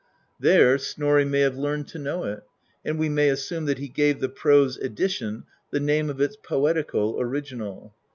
There Snorri may have learned to know it; and we may assume that he gave the prose edition the name of its poetical original.